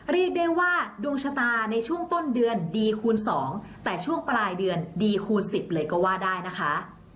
เรียกได้ว่าดวงชะตาในช่วงต้นเดือนดีคูณ๒แต่ช่วงปลายเดือนดีคูณ๑๐เลยก็ว่าได้นะคะ